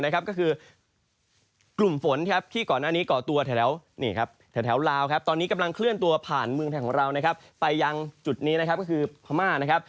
ก็คือกลุ่มฝนที่ก่อนหน้านี้เกาะตัวแถวราวตอนนี้กำลังเคลื่อนตัวผ่านเมืองแถวราวไปยังจุดนี้ก็คือพม่า